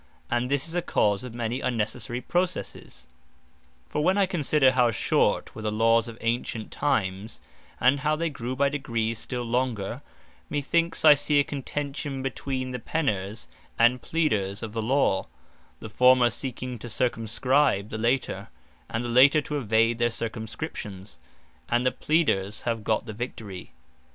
And this is a cause of many unnecessary Processes. For when I consider how short were the Lawes of antient times; and how they grew by degrees still longer; me thinks I see a contention between the Penners, and Pleaders of the Law; the former seeking to circumscribe the later; and the later to evade their circumscriptions; and that the Pleaders have got the Victory.